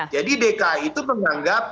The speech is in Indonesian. jadi dki itu menganggap